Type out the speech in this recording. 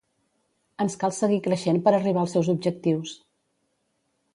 Ens cal seguir creixent per arribar als seus objectius.